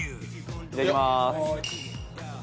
いただきまーす。